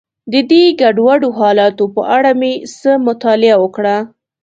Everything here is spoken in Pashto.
د دې ګډوډو حالاتو په اړه مې څه مطالعه وکړه.